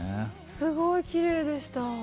すごいきれいでした。